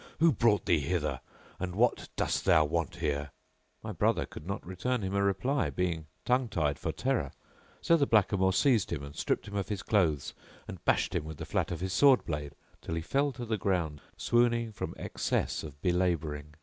Who brought thee hither and what dost thou want here?" My brother could not return him a reply, being tongue tied for terror; so the blackamoor seized him and stripped him of his clothes and bashed him with the flat of his sword blade till he fell to the ground, swooning from excess of belabouring.